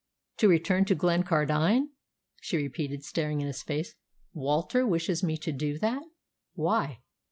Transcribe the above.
"To return to Glencardine!" she repeated, staring into his face. "Walter wishes me to do that! Why?"